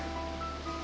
aku minta bantuan